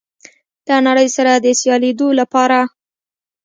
له نړۍ سره د سیالېدو لپاره